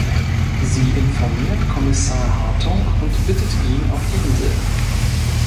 Sie informiert Kommissar Hartung und bittet ihn auf die Insel.